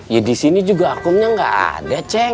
ya disini juga akumnya gak ada ceng